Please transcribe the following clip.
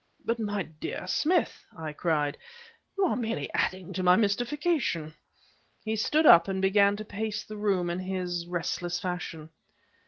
"But, my dear Smith!" I cried, "you are merely adding to my mystification." He stood up and began to pace the room in his restless fashion.